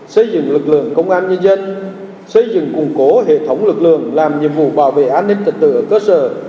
xây dựng lực lượng công an nhân dân xây dựng củng cố hệ thống lực lượng làm nhiệm vụ bảo vệ an ninh trật tự ở cơ sở